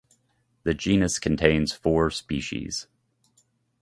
The genus contains four species.